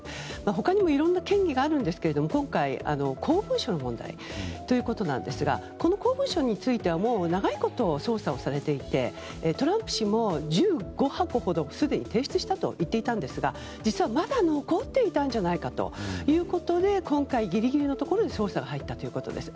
他にもいろんな嫌疑がありますが今回、公文書の問題ということなんですがこの公文書については長いこと捜査されていてトランプ氏も１５箱ほど提出したと言っていたんですが実はまだ残っていたんじゃないかということで今回ギリギリのところで捜査が入ったということです。